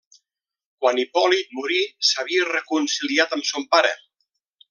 Quan Hipòlit morí s'havia reconciliat amb son pare.